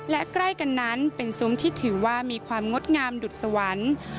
และใกล้กันนั้นเป็นซุ้มที่ถือว่ามีความงดงามดุดสวรรค์